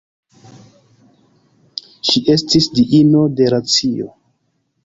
Ŝi estis diino de racio.